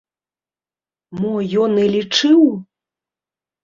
Мо ён і лічыў?